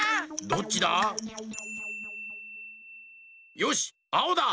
よしあおだ！